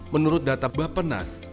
menurut data bapenas